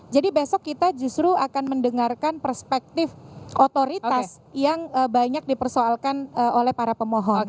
jadi besok kita justru akan mendengarkan perspektif otoritas yang banyak dipersoalkan oleh para pemohon